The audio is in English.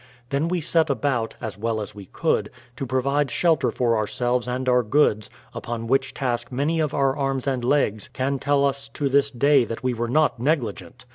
Then we set about, as well as we could, to provide shelter for ourselves and our goods upon which task many of our arms and legs can tell us to this day that we were not negli " gent!